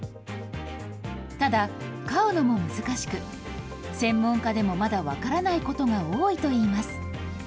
ただ、飼うのも難しく、専門家でもまだ分からないことが多いといいます。